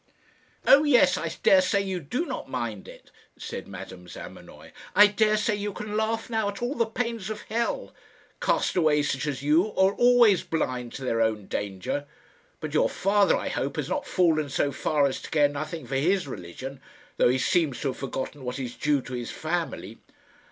"Oh, yes! I daresay you do not mind it," said Madame Zamenoy. "I daresay you can laugh now at all the pains of hell. Castaways such as you are always blind to their own danger; but your father, I hope, has not fallen so far as to care nothing for his religion, though he seems to have forgotten what is due to his family."